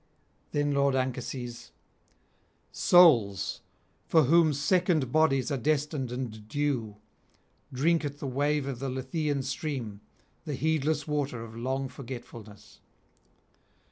Then lord Anchises: 'Souls, for whom second bodies are destined and due, drink at the wave of the Lethean stream the heedless water of long forgetfulness.